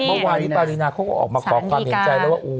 เมื่อวานนี้ปารีนาเขาก็ออกมาขอความเห็นใจแล้วว่า